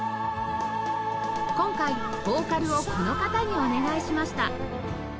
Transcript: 今回ヴォーカルをこの方にお願いしました